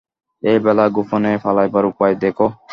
এই বেলা গোপনে পালাইবার উপায় দেখো।